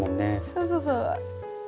そうそうそう。